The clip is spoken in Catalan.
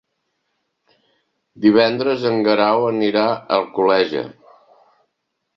Divendres en Guerau anirà a Alcoleja.